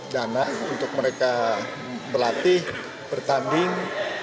dana untuk mereka berlatih bertanding